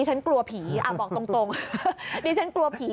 ฉันกลัวผีบอกตรงดิฉันกลัวผี